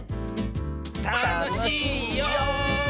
たのしいよ！